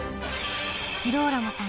ジローラモさん